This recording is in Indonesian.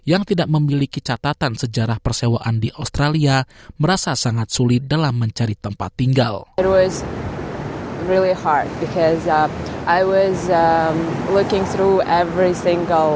untuk memastikan mereka melakukan resiko yang mungkin untuk pengguna dan publik yang tersisa